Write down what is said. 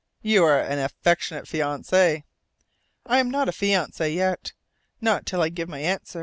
"You are an affectionate fiancée!" "I am not a fiancée yet. Not till I give my answer.